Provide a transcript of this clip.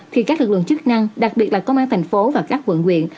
thì các lực lượng chức năng đặc biệt là công an thành phố và các quận quyện